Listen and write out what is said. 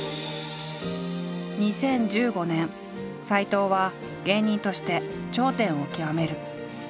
２０１５年斎藤は芸人として頂点を極める。